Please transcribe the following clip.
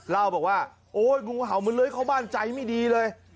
เล่าบอกว่าโอ๊ยงูเห่ามันเลื้อยเข้าบ้านใจไม่ดีเลย